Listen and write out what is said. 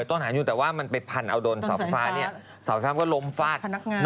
ต้นหาทุกยูแต่ว่ามันไปพันเอาดนเสาไฟฟ้ามันก็ลมฟาด